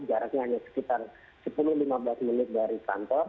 jaraknya hanya sekitar sepuluh lima belas menit dari kantor